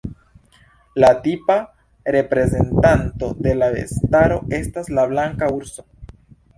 La tipa reprezentanto de la bestaro estas la blanka urso.